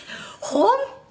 本当。